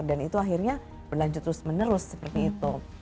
dan itu akhirnya berlanjut terus menerus seperti itu